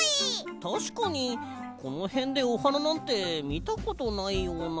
たしかにこのへんでおはななんてみたことないような。